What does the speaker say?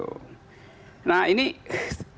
nah ini tergantung pada super kesehatan